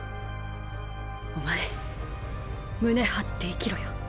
お前胸張って生きろよ。